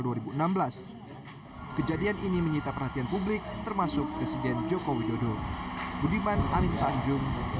sejak tahun dua ribu enam belas kejadian ini menyita perhatian publik termasuk presiden joko widodo